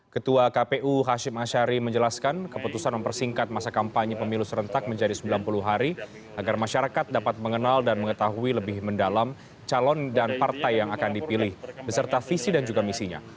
ketua kpu hashim ashari menjelaskan keputusan mempersingkat masa kampanye pemilu serentak menjadi sembilan puluh hari agar masyarakat dapat mengenal dan mengetahui lebih mendalam calon dan partai yang akan dipilih beserta visi dan juga misinya